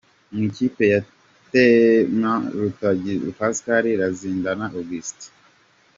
Mu ikipe ya Terminus : Rutazibwa Pascal na Ruzindana Augustin.